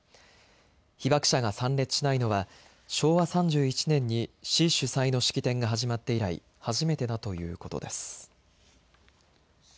被爆者が参列しないのは昭和３１年に市主催の式典が始まって以来初めてだということです。